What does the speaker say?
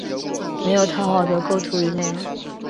没有讨好的构图与内容